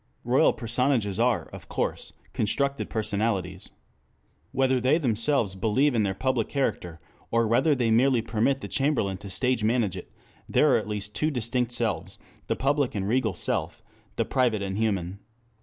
Royal personages are, of course, constructed personalities. Whether they themselves believe in their public character, or whether they merely permit the chamberlain to stage manage it, there are at least two distinct selves, the public and regal self, the private and human.